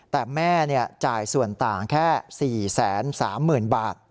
แต่แม่จ่ายส่วนต่างแค่๔๓๐๐๐บาท